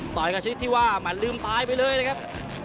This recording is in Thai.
ต่อยกับชิดที่ว่ามันลืมตายไปเลยนะครับ